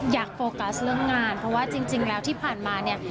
โฟกัสเรื่องงานเพราะว่าจริงแล้วที่ผ่านมาเนี่ย